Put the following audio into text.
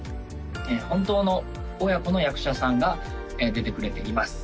本当の親子の役者さんが出てくれています